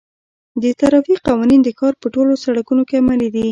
د ترافیک قوانین د ښار په ټولو سړکونو کې عملي دي.